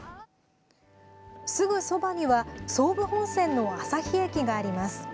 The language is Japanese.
すぐそばには総武本線の旭駅があります。